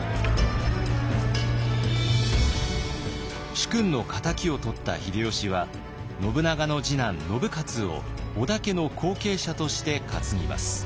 主君の敵を取った秀吉は信長の次男信雄を織田家の後継者として担ぎます。